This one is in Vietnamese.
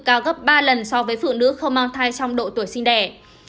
cao gấp ba lần so với phụ nữ không mang thai trong độ tuổi sinh đẻ